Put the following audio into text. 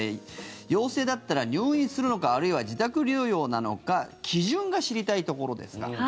陽性だったら入院するのかあるいは自宅療養なのか基準が知りたいところですが。